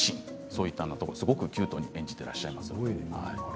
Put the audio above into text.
そういうところをキュートに演じていらっしゃいます。